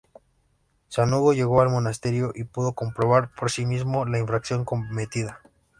San Hugo llegó al monasterio y pudo comprobar por sí mismo la infracción cometida.